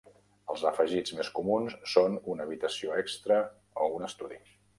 Els afegits més comuns són una habitació extra o un estudi.